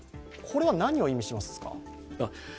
これは何を意味しますか？